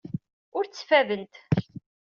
Ur ttfadent.